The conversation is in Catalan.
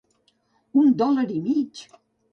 Un dòlar i mig!